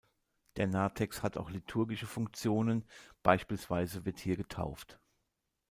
Der Narthex hat auch liturgische Funktionen, beispielsweise wird hier getauft.